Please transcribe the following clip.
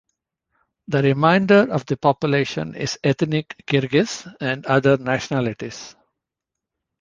The remainder of the population is ethnic Kyrgyz and other nationalities.